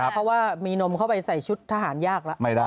เพราะว่ามีนมเข้าไปใส่ชุดทหารยากแล้ว